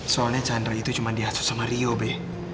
soalnya chandra itu cuma diasus sama rio be